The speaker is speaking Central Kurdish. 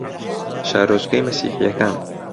شارۆچکەی مەسیحییەکان